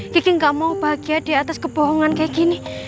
kiki gak mau bahagia di atas kebohongan kayak gini